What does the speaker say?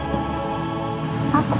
mama gak mau